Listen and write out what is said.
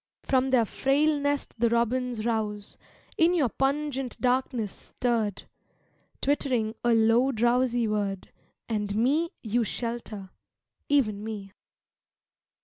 From their frail nest the robins rouse, In your pungent darkness stirred, Twittering a low drowsy word And me you shelter, even me.